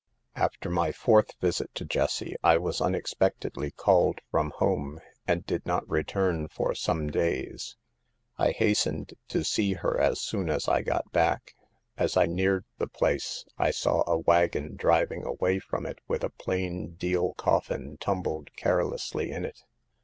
" After my fourth visit to Jessie, I was un expectedly called from home, and did not re turn for some days. I hastened to see her as soon as I got back. As I neared the place I saw a wagon driving away from it with a plain deal coffin tumbled carelessly in it.